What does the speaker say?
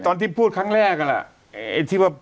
ตอนที่พูดครั้งแรกนั่นแหละไอ้ที่ว่า